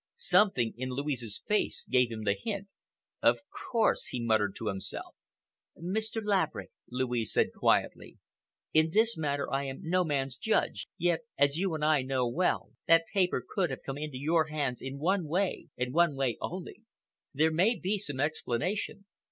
Something in Louise's face gave him the hint. "Of course!" he murmured to himself. "Mr. Laverick," Louise said quietly, "in this matter I am no man's judge, yet, as you and I know well, that paper could have come into your hands in one way, and one way only. There may be some explanation.